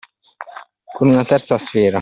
Con una terza sfera